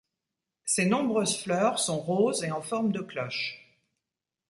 Ses nombreuses fleurs sont roses et en forme de cloche.